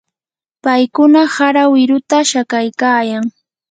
paykuna hara wiruta shakaykaayan.